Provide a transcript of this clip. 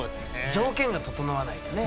条件が整わないとね。